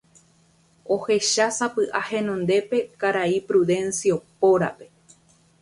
ohechásapy'a henondépe karai Prudencio pórape